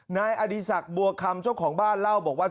นายอดีศักดิ์บัวคำเจ้าของบ้านเล่าบอกว่า